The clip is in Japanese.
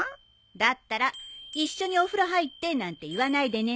だったら一緒にお風呂入ってなんて言わないでね。